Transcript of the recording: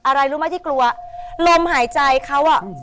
อะไรรู้ไหมที่กลัวลมหายใจเขาอ่ะ